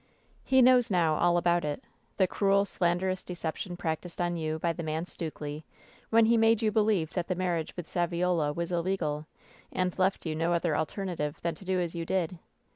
"He knows now all about it — ^the cruel, slanderous deception practiced on you by the man Stukely, when he made you believe that the marriage with Saviola was illegal, and left you no other alternative than to do as you did.